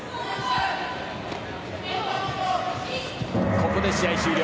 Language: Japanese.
ここで試合終了。